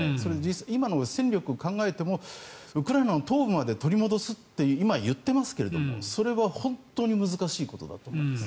今の戦力を考えてもウクライナの東部まで取り戻すと今言っていますがそれは本当に難しいことだと思います。